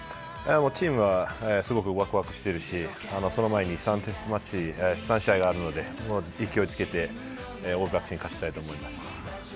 チームはすごくわくわくしているし、その前に３テストマッチ、３試合があるので、勢いつけて、オールブラックスに勝ちたいと思います。